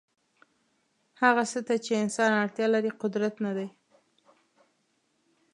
هغه څه ته چې انسان اړتیا لري قدرت نه دی.